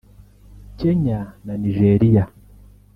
Kenya na Nigeria